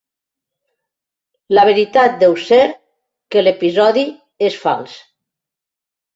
La veritat deu ser que l'episodi és fals.